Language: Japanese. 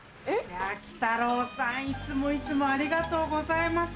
鬼太郎さんいつもいつもありがとうございます。